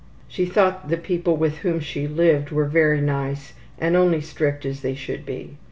She thought the people with whom she lived were very nice and only strict as they should be.